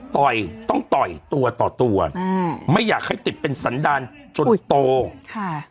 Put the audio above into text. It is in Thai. ต่อยต้องต่อยตัวต่อตัวอืมไม่อยากให้ติดเป็นสันดาลจนโตค่ะ